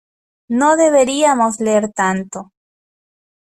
No deberíamos leer tanto.